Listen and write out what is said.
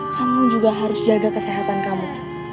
kamu juga harus jaga kesehatan kamu